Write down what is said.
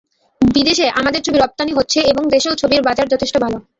বিদেশে আমাদের ছবি রপ্তানি হচ্ছে এবং দেশেও ছবির বাজার যথেষ্ট ভালো।